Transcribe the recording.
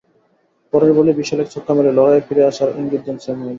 পরের বলেই বিশাল এক ছক্কা মেরে লড়াইয়ে ফিরে আসার ইঙ্গিত দেন স্যামুয়েলস।